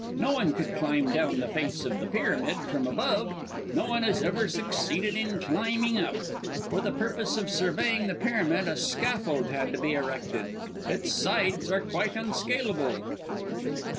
No one could climb down the face of the pyramid from above; no one has ever succeeded in climbing up. For the purpose of surveying the pyramid a scaffold had to be erected. Its sides are quite unscaleable."